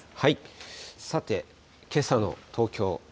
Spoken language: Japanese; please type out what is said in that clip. さて、けさの東京。